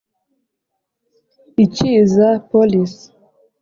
icy’iza police